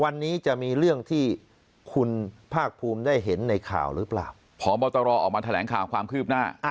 วันนี้จะมีเรื่องที่คุณภาคภูมิได้เห็นในข่าวหรือเปล่าพบตรออกมาแถลงข่าวความคืบหน้า